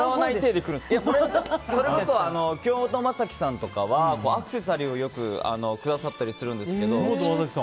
それこそ京本政樹さんとかはアクセサリーをよくくださったりするんですが。